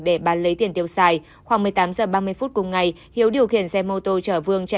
để bán lấy tiền tiêu xài khoảng một mươi tám h ba mươi phút cùng ngày hiếu điều khiển xe mô tô chở vương chạy